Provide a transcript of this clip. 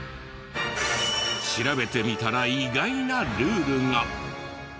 調べてみたら意外なルールが。